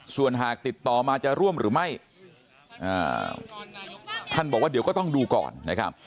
ส่วนหากติดต่อมาจะร่วมหรือไม่ท่านบอกว่าเดี๋ยวก็ต้องดูก่อนนะครับ